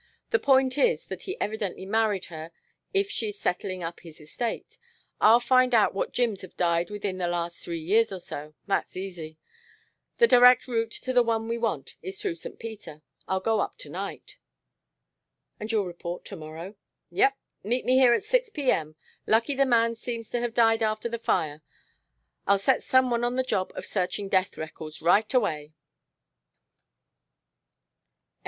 The point is that he evidently married her if she is settlin' up his estate. I'll find out what Jims have died within the last three years or so. That's easy. The direct route to the one we want is through St. Peter. I'll go up to night." "And you'll report to morrow?" "Yep. Meet me here at six P.M. Lucky the man seems to have died after the fire. I'll set some one on the job of searching death records right away."